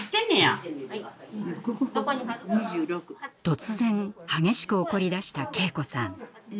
突然激しく怒りだした敬子さん。